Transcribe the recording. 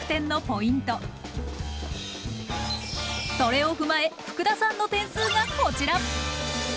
それを踏まえ福田さんの点数がこちら。